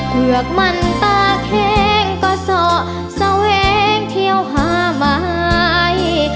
เผื่อกมั่นตาแข็งก็เสาร์เสวงเที่ยวหาบ่าย